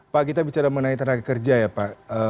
pak kita bicara mengenai tenaga kerja ya pak